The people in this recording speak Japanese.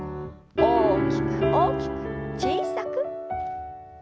大きく大きく小さく。